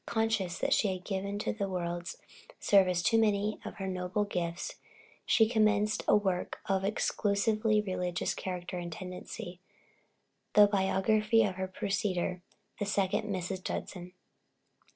Conscious that she had given to the world's service too many of her noble gifts, she commenced a work of an exclusively religious character and tendency, the biography of her predecessor, the second Mrs. Judson.